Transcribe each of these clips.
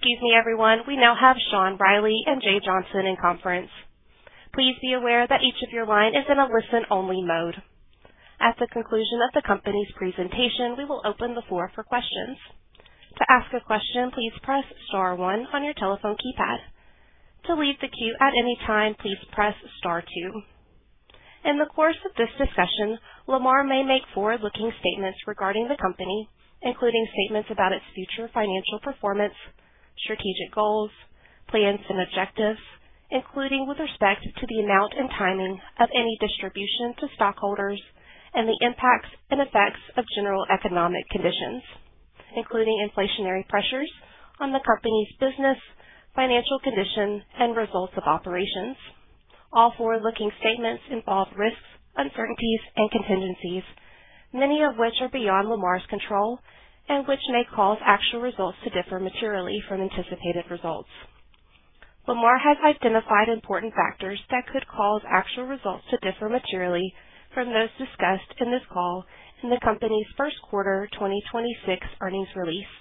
Excuse me, everyone. We now have Sean Riley and Jay Johnson in conference. Please be aware that each of your line is in a listen only mode. At the conclusion of the company's presentation, we will open the floor for questions. To ask a question, please press star one on your telephone keypad. To leave the queue at any time, please press star two. In the course of this discussion, Lamar may make forward-looking statements regarding the company, including statements about its future financial performance, strategic goals, plans and objectives, including with respect to the amount and timing of any distribution to stockholders and the impacts and effects of general economic conditions, including inflationary pressures on the company's business, financial condition, and results of operations. All forward-looking statements involve risks, uncertainties and contingencies, many of which are beyond Lamar's control and which may cause actual results to differ materially from anticipated results. Lamar has identified important factors that could cause actual results to differ materially from those discussed in this call in the company's first quarter 2026 earnings release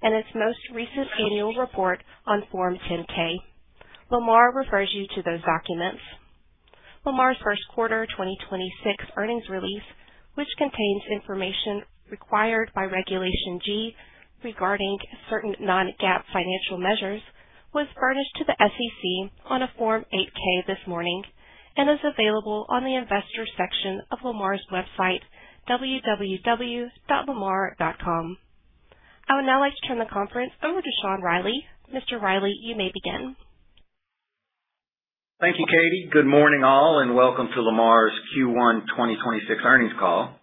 and its most recent annual report on Form 10-K. Lamar refers you to those documents. Lamar's first quarter 2026 earnings release, which contains information required by Regulation G regarding certain non-GAAP financial measures, was furnished to the SEC on a Form 8-K this morning and is available on the investors section of Lamar's website, www.lamar.com. I would now like to turn the conference over to Sean Riley. Mr. Riley, you may begin. Thank you, Katie. Good morning, all. Welcome to Lamar's Q1 2026 earnings call.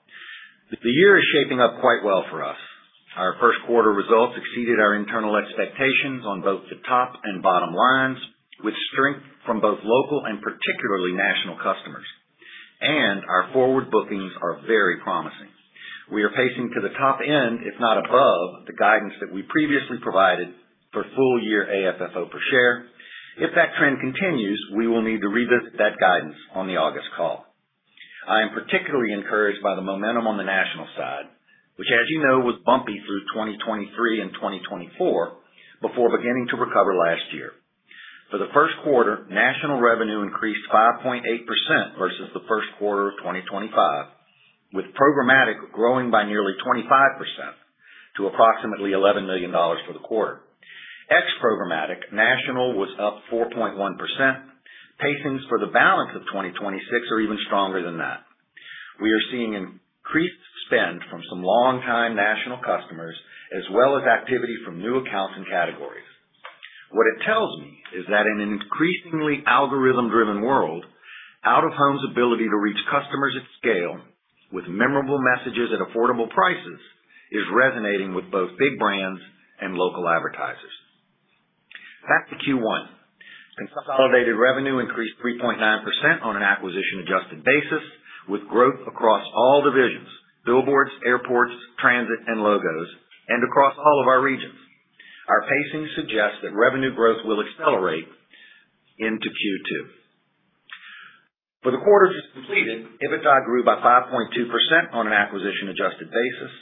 The year is shaping up quite well for us. Our first quarter results exceeded our internal expectations on both the top and bottom lines, with strength from both local and particularly national customers. Our forward bookings are very promising. We are pacing to the top end, if not above, the guidance that we previously provided for full year AFFO per share. If that trend continues, we will need to revisit that guidance on the August call. I am particularly encouraged by the momentum on the national side, which, as you know, was bumpy through 2023 and 2024 before beginning to recover last year. For the first quarter, national revenue increased 5.8% versus the first quarter of 2025, with programmatic growing by nearly 25% to approximately $11 million for the quarter. Ex-programmatic, national was up 4.1%. Pacings for the balance of 2026 are even stronger than that. We are seeing increased spend from some longtime national customers as well as activity from new accounts and categories. What it tells me is that in an increasingly algorithm driven world, out-of-home's ability to reach customers at scale with memorable messages at affordable prices is resonating with both big brands and local advertisers. Back to Q1. Consolidated revenue increased 3.9% on an acquisition adjusted basis, with growth across all divisions, billboards, airports, transit, and logos and across all of our regions. Our pacing suggests that revenue growth will accelerate into Q2. For the quarter just completed, EBITDA grew by 5.2% on an acquisition adjusted basis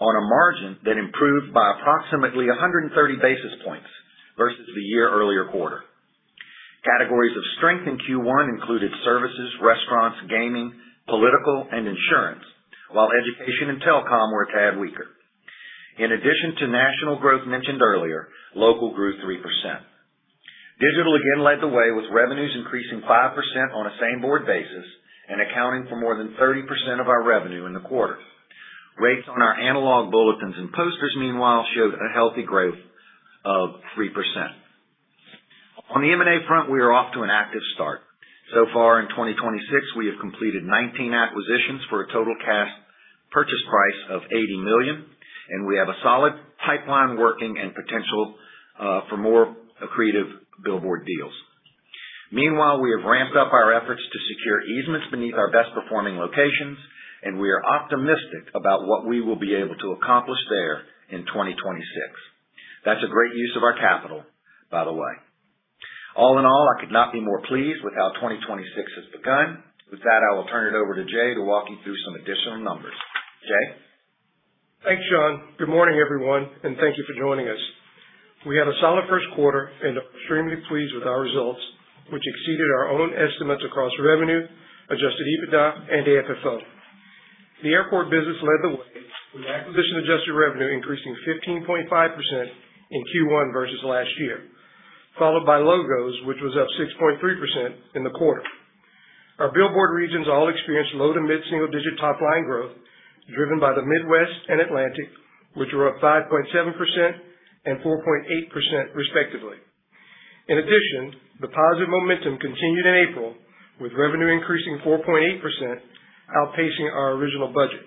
on a margin that improved by approximately 130 basis points versus the year earlier quarter. Categories of strength in Q1 included services, restaurants, gaming, political and insurance, while education and telecom were a tad weaker. In addition to national growth mentioned earlier, local grew 3%. Digital again led the way with revenues increasing 5% on a same board basis and accounting for more than 30% of our revenue in the quarter. Rates on our analog bulletins and posters, meanwhile, showed a healthy growth of 3%. On the M&A front, we are off to an active start. Far in 2026, we have completed 19 acquisitions for a total cash purchase price of $80 million, and we have a solid pipeline working and potential for more accretive billboard deals. Meanwhile, we have ramped up our efforts to secure easements beneath our best performing locations, and we are optimistic about what we will be able to accomplish there in 2026. That's a great use of our capital, by the way. All in all, I could not be more pleased with how 2026 has begun. With that, I will turn it over to Jay to walk you through some additional numbers. Jay? Thanks, Sean. Good morning, everyone, and thank you for joining us. We had a solid first quarter and are extremely pleased with our results, which exceeded our own estimates across revenue, adjusted EBITDA and AFFO. The airport business led the way with acquisition adjusted revenue increasing 15.5% in Q1 versus last year, followed by Logos, which was up 6.3% in the quarter. Our billboard regions all experienced low to mid single digit top line growth, driven by the Midwest and Atlantic, which were up 5.7% and 4.8% respectively. In addition, the positive momentum continued in April, with revenue increasing 4.8%, outpacing our original budget.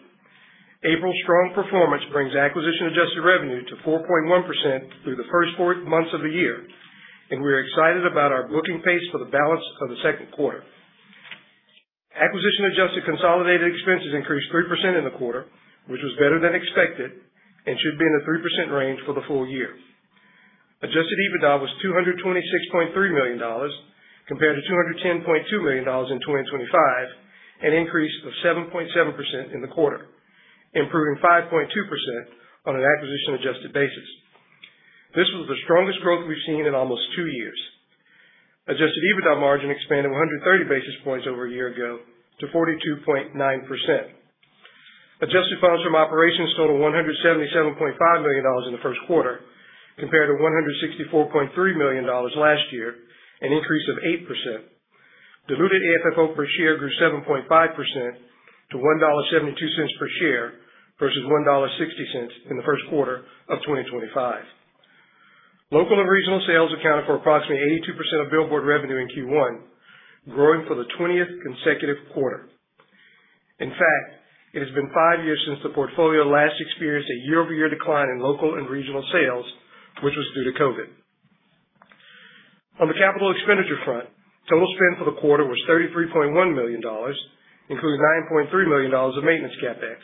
April's strong performance brings acquisition-adjusted revenue to 4.1% through the first four months of the year, and we are excited about our booking pace for the balance of the second quarter. Acquisition-adjusted consolidated expenses increased 3% in the quarter, which was better than expected and should be in the 3% range for the full year. Adjusted EBITDA was $226.3 million compared to $210.2 million in 2025, an increase of 7.7% in the quarter. Improving 5.2% on an acquisition-adjusted basis. This was the strongest growth we've seen in almost two years. Adjusted EBITDA margin expanded 130 basis points over a year ago to 42.9%. Adjusted funds from operations totaled $177.5 million in the first quarter, compared to $164.3 million last year, an increase of 8%. Diluted AFFO per share grew 7.5% to $1.72 per share versus $1.60 in the first quarter of 2025. Local and regional sales accounted for approximately 82% of billboard revenue in Q1, growing for the 20th consecutive quarter. In fact, it has been five years since the portfolio last experienced a year-over-year decline in local and regional sales, which was due to COVID. On the capital expenditure front, total spend for the quarter was $33.1 million, including $9.3 million of maintenance CapEx.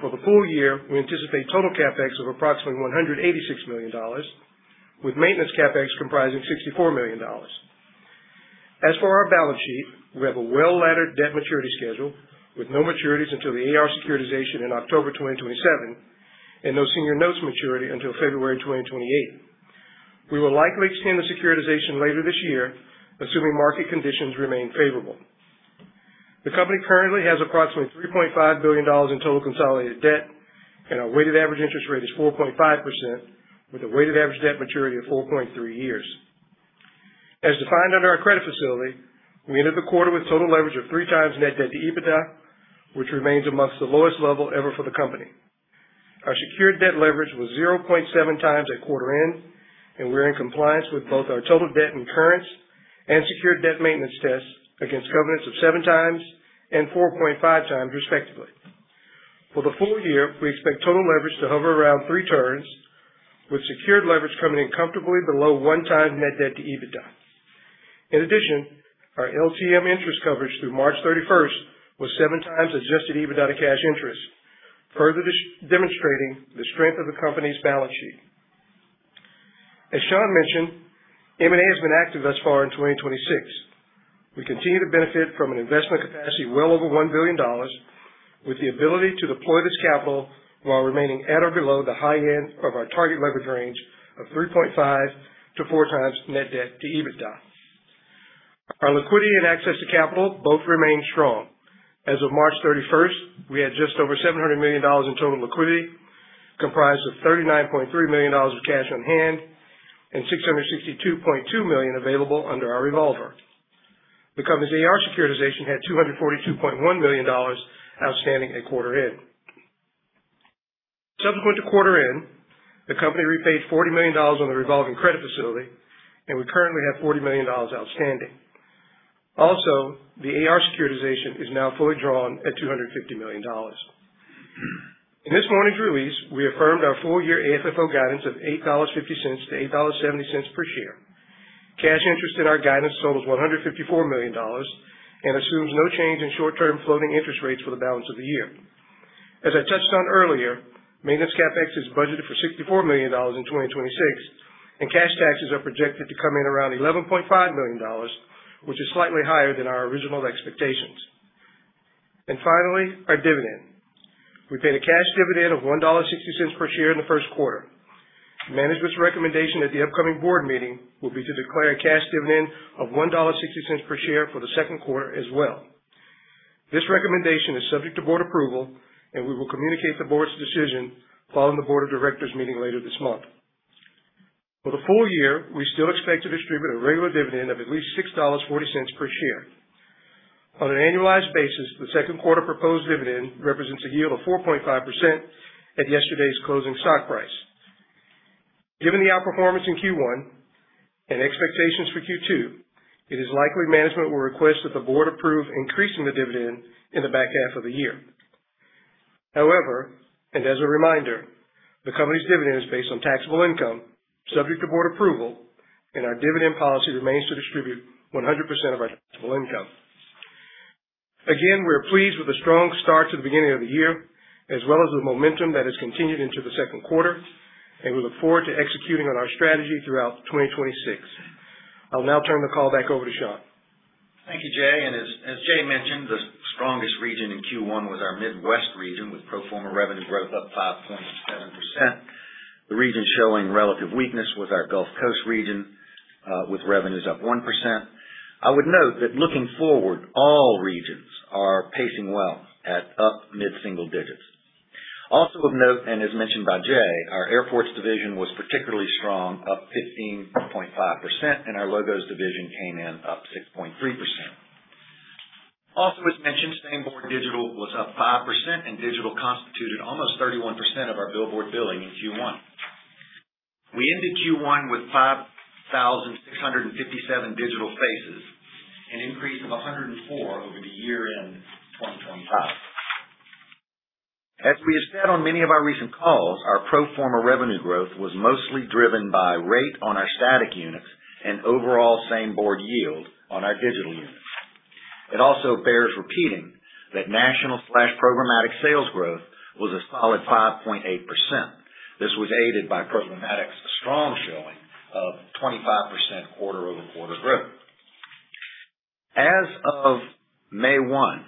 For the full year, we anticipate total CapEx of approximately $186 million, with maintenance CapEx comprising $64 million. As for our balance sheet, we have a well-laddered debt maturity schedule with no maturities until the AR securitization in October 2027 and no senior notes maturity until February 2028. We will likely extend the securitization later this year, assuming market conditions remain favorable. The company currently has approximately $3.5 billion in total consolidated debt, and our weighted average interest rate is 4.5%, with a weighted average debt maturity of 4.3 years. As defined under our credit facility, we ended the quarter with total leverage of three times net debt to EBITDA, which remains amongst the lowest level ever for the company. Our secured debt leverage was 0.7 times at quarter end, and we're in compliance with both our total debt incurrence and secured debt maintenance tests against covenants of seven times and 4.5 times, respectively. For the full year, we expect total leverage to hover around 3 tons, with secured leverage coming in comfortably below one times net debt to EBITDA. In addition, our LTM interest coverage through March 31st was seven times adjusted EBITDA to cash interest, further demonstrating the strength of the company's balance sheet. As Sean mentioned, M&A has been active thus far in 2026. We continue to benefit from an investment capacity well over $1 billion with the ability to deploy this capital while remaining at or below the high end of our target leverage range of 3.5-4 times net debt to EBITDA. Our liquidity and access to capital both remain strong. As of March 31st, we had just over $700 million in total liquidity, comprised of $39.3 million of cash on hand and $662.2 million available under our revolver. The company's AR securitization had $242.1 million outstanding at quarter end. Subsequent to quarter end, the company repaid $40 million on the revolving credit facility, and we currently have $40 million outstanding. Also, the AR securitization is now fully drawn at $250 million. In this morning's release, we affirmed our full year AFFO guidance of $8.50 to $8.70 per share. Cash interest in our guidance totals $154 million and assumes no change in short-term floating interest rates for the balance of the year. As I touched on earlier, maintenance CapEx is budgeted for $64 million in 2026, and cash taxes are projected to come in around $11.5 million, which is slightly higher than our original expectations. Finally, our dividend. We paid a cash dividend of $1.60 per share in the first quarter. Management's recommendation at the upcoming board meeting will be to declare a cash dividend of $1.60 per share for the second quarter as well. This recommendation is subject to board approval, and we will communicate the board's decision following the board of directors meeting later this month. For the full year, we still expect to distribute a regular dividend of at least $6.40 per share. On an annualized basis, the second quarter proposed dividend represents a yield of 4.5% at yesterday's closing stock price. Given the outperformance in Q1 and expectations for Q2, it is likely management will request that the board approve increasing the dividend in the back half of the year. As a reminder, the company's dividend is based on taxable income, subject to board approval, and our dividend policy remains to distribute 100% of our taxable income. We are pleased with the strong start to the beginning of the year as well as the momentum that has continued into the second quarter, and we look forward to executing on our strategy throughout 2026. I'll now turn the call back over to Sean. Thank you, Jay. As Jay mentioned, the strongest region in Q1 was our Midwest region, with pro forma revenue growth up 5.7%. The region showing relative weakness was our Gulf Coast region, with revenues up 1%. I would note that looking forward, all regions are pacing well at up mid-single digits. Also of note, as mentioned by Jay, our airports division was particularly strong, up 15.5%, and our logos division came in up 6.3%. Also, as mentioned, same board digital was up 5%, and digital constituted almost 31% of our billboard billing in Q1. We ended Q1 with 5,657 digital spaces, an increase of 104 over the year-end 2025. As we have said on many of our recent calls, our pro forma revenue growth was mostly driven by rate on our static units and overall same board yield on our digital units. It also bears repeating that national/programmatic sales growth was a solid 5.8%. This was aided by programmatic's strong showing of 25% quarter-over-quarter growth. As of May 1,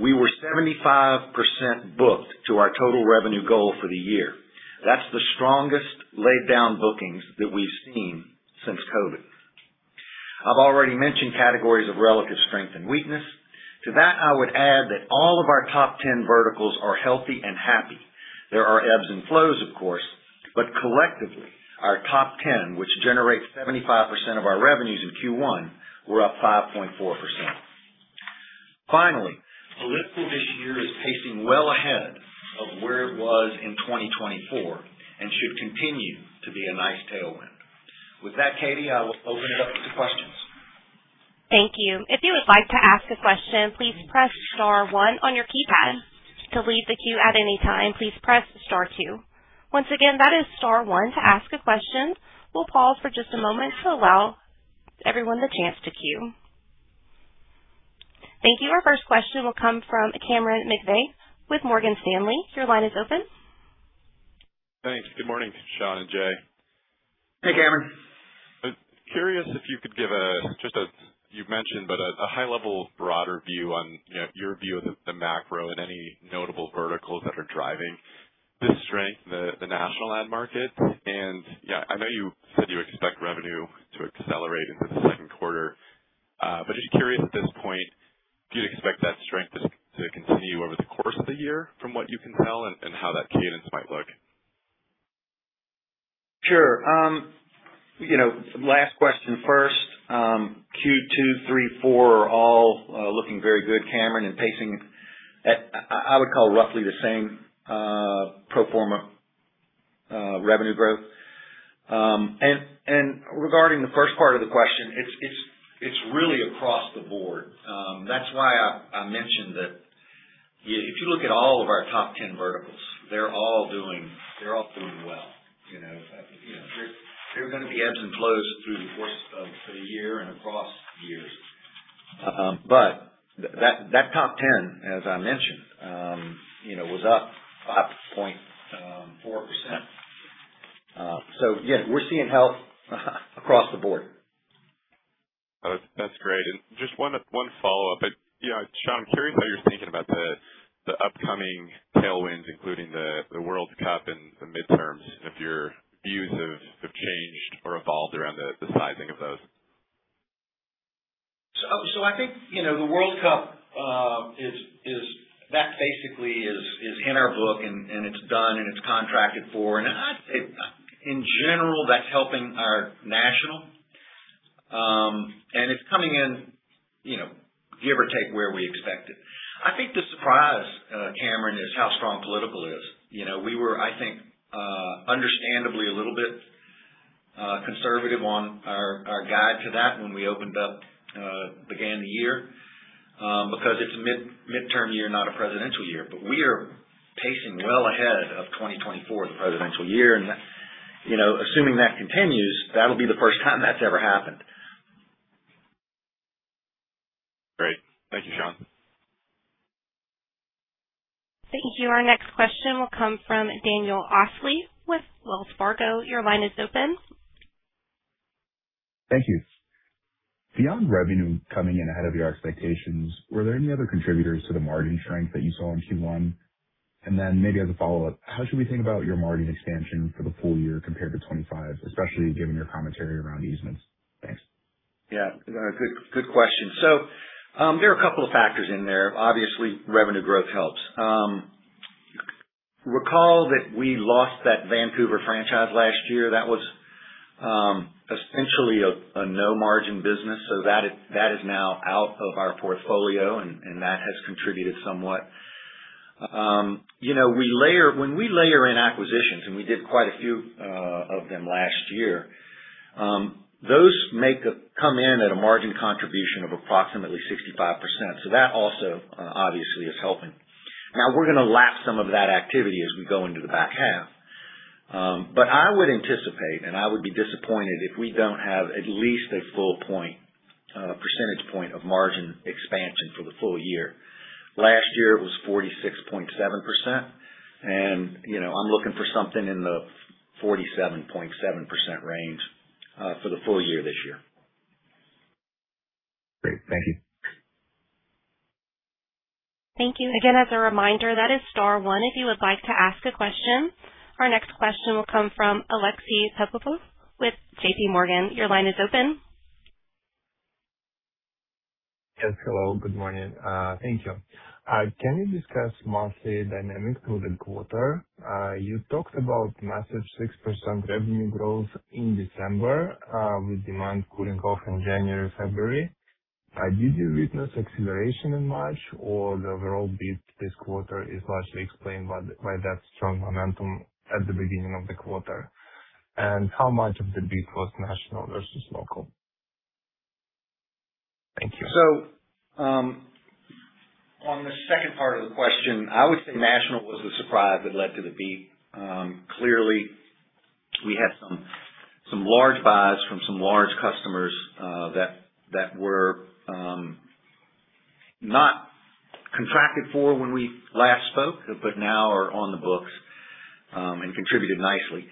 we were 75% booked to our total revenue goal for the year. That's the strongest laid down bookings that we've seen since COVID. I've already mentioned categories of relative strength and weakness. To that, I would add that all of our top 10 verticals are healthy and happy. There are ebbs and flows, of course, but collectively, our top 10, which generates 75% of our revenues in Q1, were up 5.4%. Political this year is pacing well ahead of where it was in 2024 and should continue to be a nice tailwind. With that, Katie, I will open it up to questions. Thank you. If you would like to ask a question, please press star one on your keypad. To leave the queue at any time, please press star two. Once again, that is star one to ask a question. We'll pause for just a moment to allow everyone the chance to queue. Thank you. Our first question will come from Cameron McVeigh with Morgan Stanley. Your line is open. Thanks. Good morning, Sean and Jay. Hey, Cameron. Curious if you could give a You've mentioned, but a high level broader view on, you know, your view of the macro and any notable verticals that are driving this strength in the national ad market. Yeah, I know you said you expect revenue to accelerate into the second quarter, but just curious at this point, do you expect that strength to continue over the course of the year from what you can tell and how that cadence might look? Sure. You know, last question first. Q2, Q3, Q4 are all looking very good, Cameron, and pacing at I would call roughly the same pro forma revenue growth. Regarding the first part of the question, it's really across the board. That's why I mentioned that if you look at all of our top 10 verticals, they're all doing well. You know, there are gonna be ebbs and flows through the course of the year and across years. But that top 10, as I mentioned, you know, was up 5.4%. Yeah, we're seeing health across the board. That's great. Just one follow-up. You know, Sean, I'm curious how you're thinking about the upcoming tailwinds, including the World Cup and the midterms, and if your views have changed or evolved around the sizing of those. I think, you know, the World Cup, that basically is in our book and it's done and it's contracted for. I'd say, in general, that's helping our national, and it's coming in, you know, give or take where we expect it. I think the surprise, Cameron, is how strong political is. You know, we were, I think, understandably a little bit conservative on our guide to that when we opened up, began the year, because it's a midterm year, not a presidential year. We are pacing well ahead of 2024, the presidential year, and, you know, assuming that continues, that'll be the first time that's ever happened. Great. Thank you, Sean. Thank you. Our next question will come from Daniel Ostly with Wells Fargo. Your line is open. Thank you. Beyond revenue coming in ahead of your expectations, were there any other contributors to the margin strength that you saw in Q1? Maybe as a follow-up, how should we think about your margin expansion for the full year compared to 2025, especially given your commentary around easements? Thanks. Good question. There are a couple of factors in there. Obviously, revenue growth helps. Recall that we lost that Vancouver franchise last year. That was essentially a no-margin business. That is now out of our portfolio and that has contributed somewhat. You know, when we layer in acquisitions, and we did quite a few of them last year, those come in at a margin contribution of approximately 65%. That also obviously is helping. We're gonna lap some of that activity as we go into the back half. I would anticipate, and I would be disappointed if we don't have at least a full point, percentage point of margin expansion for the full year. Last year it was 46.7% and, you know, I'm looking for something in the 47.7% range, for the full year this year. Great. Thank you. Thank you. Again, as a reminder, that is star one if you would like to ask a question. Our next question will come from Alexei Papalexopoulos with JPMorgan. Your line is open. Yes. Hello, good morning. Thank you. Can you discuss monthly dynamics through the quarter? You talked about massive 6% revenue growth in December, with demand cooling off in January, February. Did you witness acceleration in March, or the overall beat this quarter is largely explained by that strong momentum at the beginning of the quarter? How much of the beat was national versus local? Thank you. On the second part of the question, I would say national was the surprise that led to the beat. Clearly we had some large buys from some large customers that were not contracted for when we last spoke, but now are on the books and contributed nicely.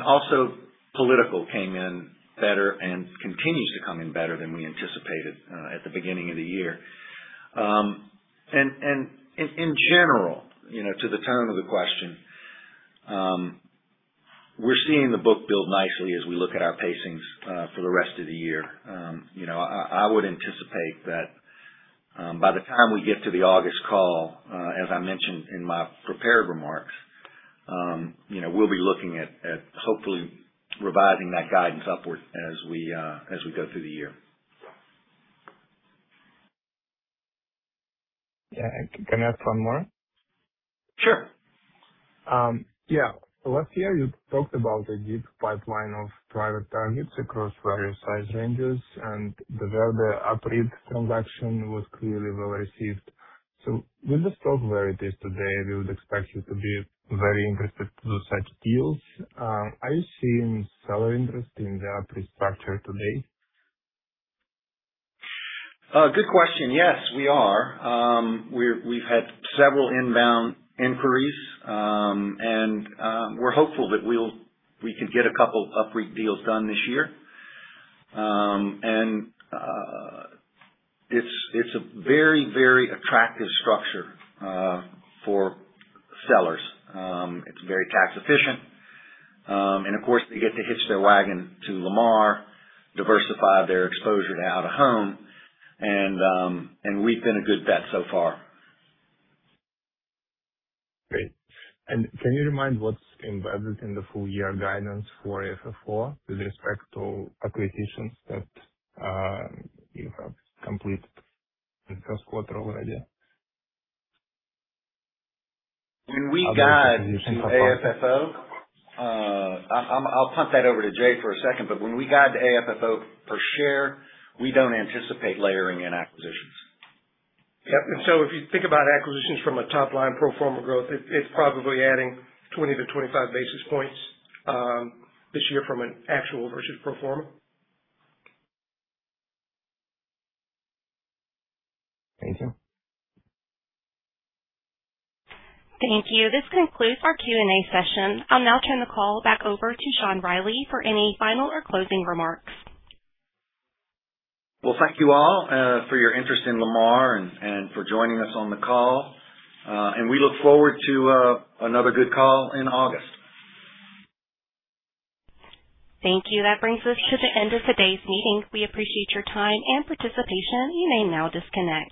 Also political came in better and continues to come in better than we anticipated at the beginning of the year. In general, you know, to the tone of the question, we're seeing the book build nicely as we look at our pacings for the rest of the year. You know, I would anticipate that, by the time we get to the August call, as I mentioned in my prepared remarks, you know, we'll be looking at hopefully revising that guidance upward as we, as we go through the year. Yeah. Can I ask one more? Sure. Yeah. Last year you talked about a deep pipeline of private targets across various size ranges, and the Verde up-REIT transaction was clearly well received. With the stock where it is today, we would expect you to be very interested to do such deals. Are you seeing seller interest in the up-REIT structure today? Good question. Yes, we are. We've had several inbound inquiries, we're hopeful that we could get a couple up-REIT deals done this year. It's a very, very attractive structure for sellers. It's very tax efficient. Of course, they get to hitch their wagon to Lamar, diversify their exposure to out of home and we've been a good bet so far. Great. Can you remind what's embedded in the full year guidance for AFFO with respect to acquisitions that you have completed in first quarter already? When we guide to AFFO, I'll punt that over to Jay for a second, but when we guide to AFFO per share, we don't anticipate layering in acquisitions. Yep. If you think about acquisitions from a top line pro forma growth, it's probably adding 20-25 basis points this year from an actual versus pro forma. Thank you. Thank you. This concludes our Q&A session. I'll now turn the call back over to Sean Riley for any final or closing remarks. Well, thank you all, for your interest in Lamar and for joining us on the call. We look forward to another good call in August. Thank you. That brings us to the end of today's meeting. We appreciate your time and participation. You may now disconnect.